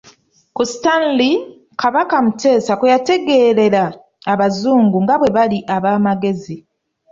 Ku Stanley, Kabaka Mutesa kwe yategeerera Abazungu nga bwe bali ab'amagezi.